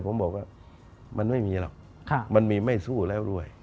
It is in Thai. ผมบอกว่ามันไม่มีหรอกมันมีไม่สู้แล้วด้วย